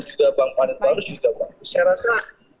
juga bang panit barus juga bagus saya rasa